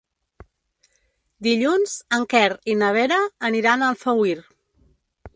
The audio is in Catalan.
Dilluns en Quer i na Vera aniran a Alfauir.